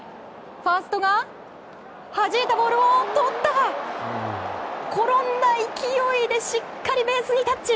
ファーストがはじいたボールをとったが転んだ勢いでしっかりベースにタッチ！